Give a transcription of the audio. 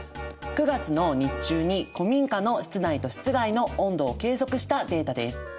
９月の日中に古民家の室内と室外の温度を計測したデータです。